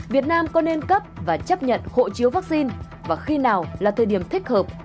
việt nam có nên cấp và chấp nhận hộ chiếu vaccine và khi nào là thời điểm thích hợp